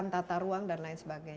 tata ruang dan lain sebagainya